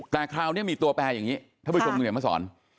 แต่คราวนี้มีตัวแปลอย่างนี้ท่านผู้ชมคุณเดี๋ยวมาสอน